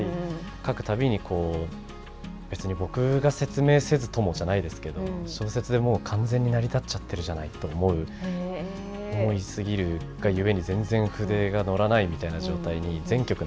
書くたびにこう別に僕が説明せずともじゃないですけど小説でもう完全に成り立っちゃってるじゃないと思う思いすぎるがゆえに全然筆が乗らないみたいな状態に全曲なっているので。